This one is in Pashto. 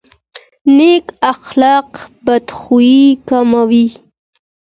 نیک اخلاق بدخويي کموي.